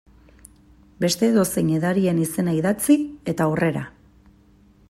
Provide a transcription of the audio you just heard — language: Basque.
Beste edozein edariren izena idatzi, eta aurrera.